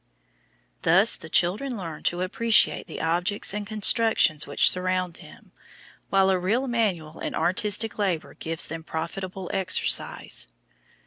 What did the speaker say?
Thus the children learn to appreciate the objects and constructions which surround them, while a real manual and artistic labour gives them profitable exercise.